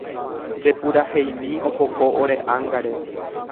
Nde puraheimi opoko ore ángare